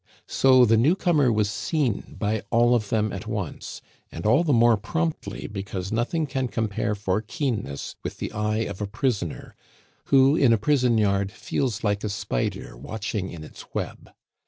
So the newcomer was seen by all of them at once, and all the more promptly, because nothing can compare for keenness with the eye of a prisoner, who in a prison yard feels like a spider watching in its web.